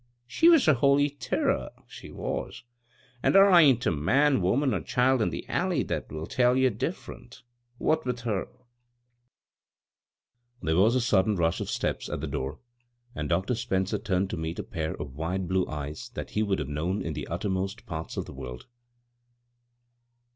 She was a holy tirror — she was ; an' thar ain't a man, woman, or child in ' the Alley ' that will tell ye difP rent What with her " There was a sudden rush of steps at the door, and Dr. Spencer turned to meet a pair of wide blue eyes that he would have known in the uttermost parts of the world.